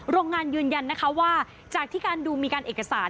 โรงงานยืนยันนะคะว่าจากที่การดูมีการเอกสาร